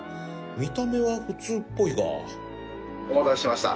見た目は普通っぽいがお待たせしました。